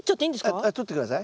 ええ取って下さい。